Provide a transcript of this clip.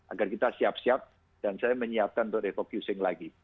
agar kita siap siap dan saya menyiapkan untuk refocusing lagi